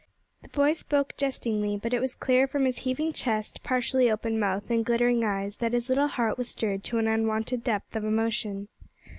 The boy spoke jestingly, but it was clear from his heaving chest, partially open mouth, and glittering eyes, that his little heart was stirred to an unwonted depth of emotion.